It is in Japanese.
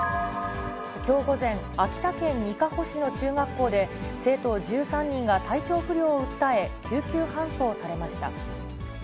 きょう午前、秋田県にかほ市の中学校で、生徒１３人が体調不良を訴え、救急搬送されました。